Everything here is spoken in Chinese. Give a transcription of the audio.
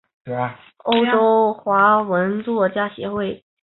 欧洲华文作家协会。